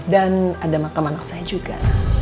dan ada makam anak saya juga